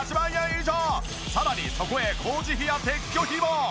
さらにそこへ工事費や撤去費も！